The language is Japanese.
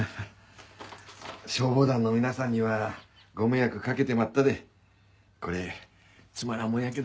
消防団の皆さんにはご迷惑かけてまったでこれつまらんもんやけど。